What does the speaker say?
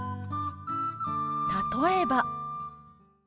例えば。